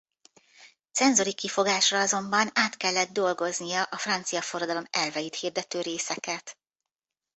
Cenzori kifogásra azonban át kellett dolgoznia a francia forradalom elveit hirdető részeket.